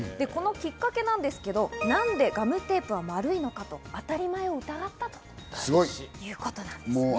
このきっかけですが、何でカムテープは丸いのか、当たり前を疑ったということです。